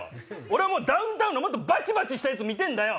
俺はダウンタウンのバチバチしたやつ見てぇんだよ。